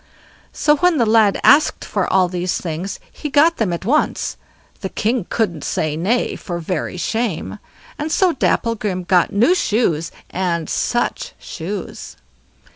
So when the lad asked for all these things, he got them at once—the king couldn't say nay for very shame; and so Dapplegrim got new shoes, and such shoes!